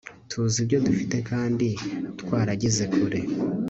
tuzi ibyo dufite kandi twarageze kure